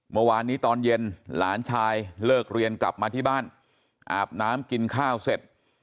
เมื่อวานนี้ตอนเย็นหลานชายเลิกเรียนกลับมาที่บ้านอาบน้ำกินข้าวเสร็จ